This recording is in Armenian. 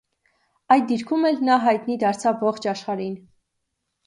Այդ դիրքում էլ նա հայտնի դարձավ ողջ աշխարհին։